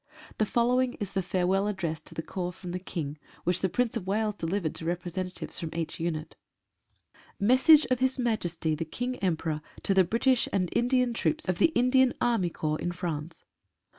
The following is the farewell address to the Corps from the King, which the Prince of Wales delivered to representatives from each unit: — Message of His Majesty the King Emperor to the British and Indian troops of the Indian Army Corps in France.